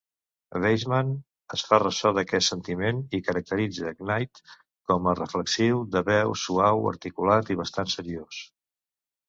Weisman es fa ressò d'aquest sentiment i caracteritza Knight com a "reflexiu, de veu suau, articulat i bastant seriós".